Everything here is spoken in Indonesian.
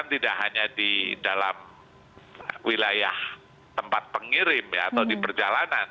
tidak hanya di dalam wilayah tempat pengirim atau di perjalanan